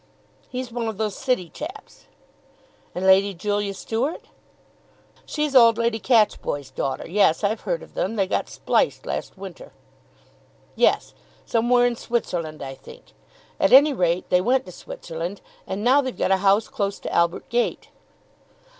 "He's one of those city chaps." "And Lady Julia Start?" "She's old Lady Catchboy's daughter. Yes; I've heard of them. They got spliced last winter." "Yes, somewhere in Switzerland, I think. At any rate they went to Switzerland, and now they've got a house close to Albert Gate."